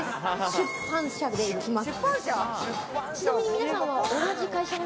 出版社でいきます。